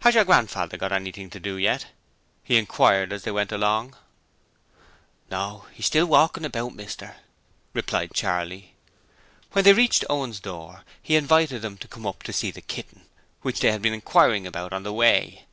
'Has your grandfather got anything to do yet?' he inquired as they went along. 'No. 'E's still walkin' about, mister,' replied Charley. When they reached Owen's door he invited them to come up to see the kitten, which they had been inquiring about on the way.